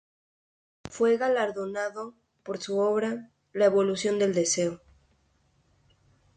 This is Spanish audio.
Fue galardonado por su obra ""La evolución del deseo"".